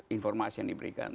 informasi yang diberikan